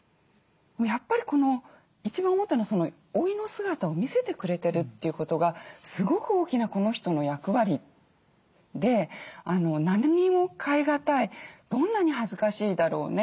やっぱり一番思ったのは老いの姿を見せてくれてるということがすごく大きなこの人の役割で何にも代えがたいどんなに恥ずかしいだろうね